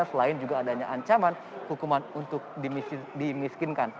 selain juga adanya ancaman hukuman untuk dimiskinkan